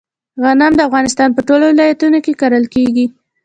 غنم د افغانستان په ټولو ولایتونو کې کرل کیږي.